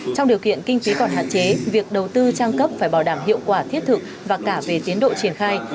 trong điều kiện kinh phí còn hạn chế việc đầu tư trang cấp phải bảo đảm hiệu quả thiết thực và cả về tiến độ triển khai